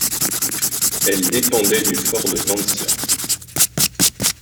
Elle dépendait du fort de Vancia.